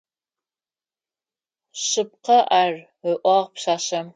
Шъыпкъэ ар,— ыӏуагъ пшъашъэм.